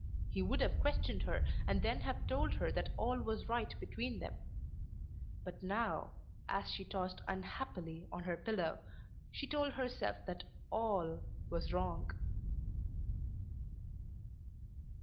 He would have questioned her and then have told her that all was right between them. But now as she tossed unhappily on her pillow she told herself that all was wrong.